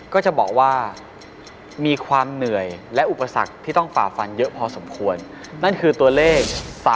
ก็จะบอกว่ามีความเหนื่อยและอุปสรรคที่ต้องฝ่าฟันเยอะพอสมควรนั่นคือตัวเลข